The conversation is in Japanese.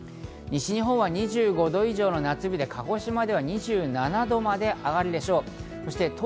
西日本は２５度以上の夏日で鹿児島では２７度まで上がるでしょう。